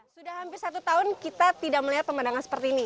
sudah hampir satu tahun kita tidak melihat pemandangan seperti ini